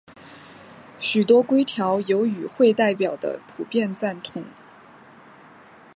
许多规条有与会代表的普遍赞同。